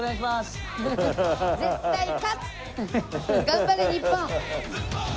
頑張れ日本！